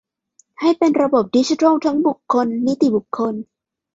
ให้เป็นระบบดิจิทัลทั้งบุคคล นิติบุคคล